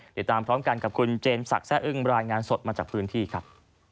ติดตามพร้อมกันกับคุณเจนศักดิ์แซ่อึ้งรายงานสดมาจากพื้นที่ครับ